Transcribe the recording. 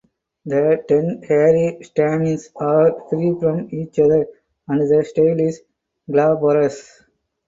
The ten hairy stamens are free from each other and the style is glabrous.